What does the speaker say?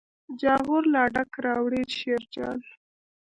جاغور لا ډک راوړي شیرجان.